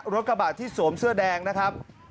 กระบาดที่สวมเสื้อแดงนะครับ